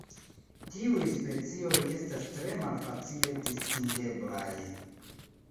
Tiuj specioj estas tre malfacile distingeblaj.